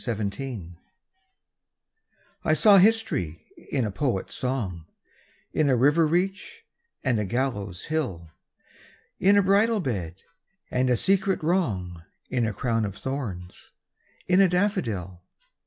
SYMBOLS I saw history in a poet's song, In a river reach and a gallows hill, In a bridal bed, and a secret wrong, In a crown of thorns: in a daffodil.